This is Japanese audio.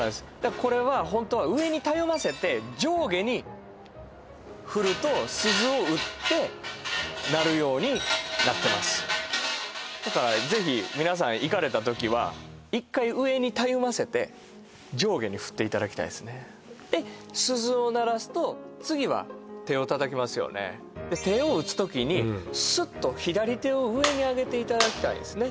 これはホントは上にたゆませて上下に振ると鈴を打って鳴るようになってますだからぜひ皆さん行かれた時は一回上にたゆませて上下に振っていただきたいですねで鈴を鳴らすと次は手を叩きますよねで手を打つ時にスッと左手を上にあげていただきたいんですね